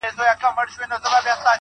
بیا خرڅ کړئ شاه شجاع یم پر پردیو.